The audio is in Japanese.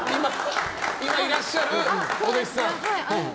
今いらっしゃるお弟子さん。